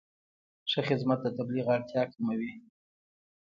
ښه خدمت د تبلیغ اړتیا کموي.